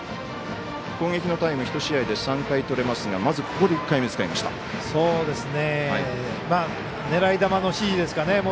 攻撃のタイム１試合で３回とれますが狙い球の指示ですかね。